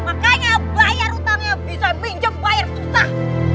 makanya bayar utangnya bisa pinjam bayar susah